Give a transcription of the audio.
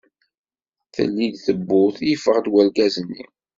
Telli-d tewwurt, yeffeɣ-d urgaz-nni.